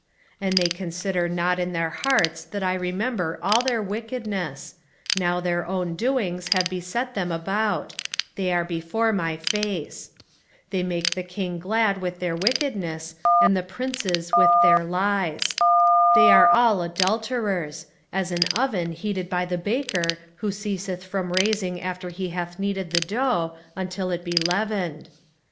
7:2 And they consider not in their hearts that I remember all their wickedness: now their own doings have beset them about; they are before my face. 7:3 They make the king glad with their wickedness, and the princes with their lies. 7:4 They are all adulterers, as an oven heated by the baker, who ceaseth from raising after he hath kneaded the dough, until it be leavened.